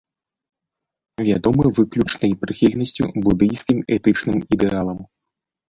Вядомы выключнай прыхільнасцю будыйскім этычным ідэалам.